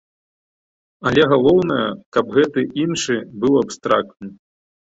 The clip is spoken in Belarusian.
Але галоўнае, каб гэты іншы быў абстрактным.